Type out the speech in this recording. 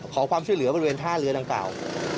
ขอความช่วยเหลือบริเวณท่าเรือดังกล่าว